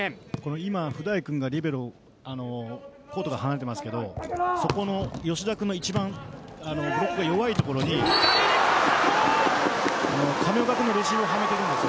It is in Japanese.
今、布台君がコートから離れていますがそこの吉田君の一番ブロックが弱いところに亀岡君のレシーブをはめているんですよ。